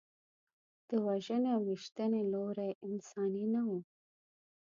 د وژنې او ویشتنې لوری انساني نه و.